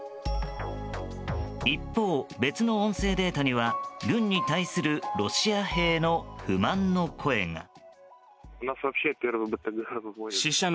一方、別の音声データには軍に対するロシア兵の不満の声が。